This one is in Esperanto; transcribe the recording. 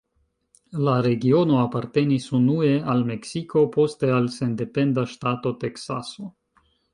La regiono apartenis unue al Meksiko, poste al sendependa ŝtato Teksaso.